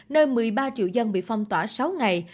nơi một mươi ba triệu dân bị phong tỏa sáu ngày